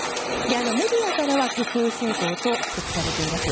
メディアからは極右政党と指摘されています。